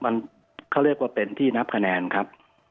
มันเขาเรียกว่าเป็นที่นับคะแนนครับ